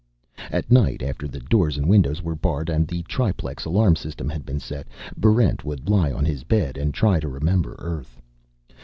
At night, after the doors and windows were barred and the triplex alarm system had been set, Barrent would lie on his bed and try to remember Earth.